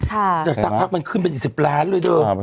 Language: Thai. แต่สักพักมันขึ้นเป็นอีก๑๐ล้านเลยเถอะ